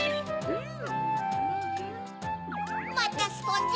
うん！